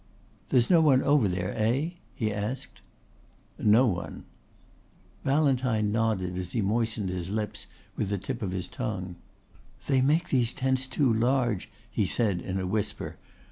"There's no one over there, eh?" he asked. "No one." Ballantyne nodded as he moistened his lips with the tip of his tongue. "They make these tents too large," he said in a whisper.